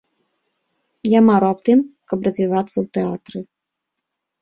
Я мару аб тым, каб развівацца ў тэатры.